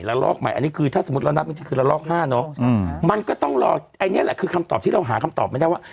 ลอกใหม่อันนี้คือถ้าสมมุติเรานับจริงคือละลอก๕เนอะมันก็ต้องรออันนี้แหละคือคำตอบที่เราหาคำตอบไม่ได้ว่า